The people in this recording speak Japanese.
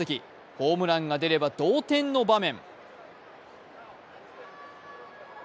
ホームランが出れば同点の場面。